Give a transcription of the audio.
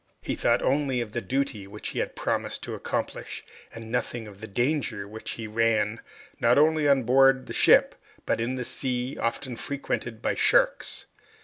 He thought only of the duty which he had promised to accomplish, and nothing of the danger which he ran, not only on board the ship, but in the sea, often frequented by sharks.